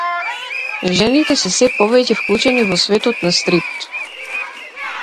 Жените се сѐ повеќе вклучени во светот на стрипот.